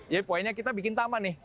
jadi poinnya kita bikin taman nih